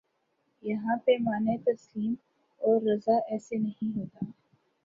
یہاں پیمان تسلیم و رضا ایسے نہیں ہوتا